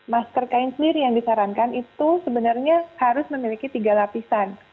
masker kain sendiri yang disarankan itu sebenarnya harus memiliki tiga lapisan